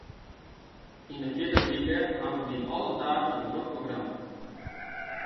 Yn 'e fierdere wike hawwe wy alle dagen in drok programma.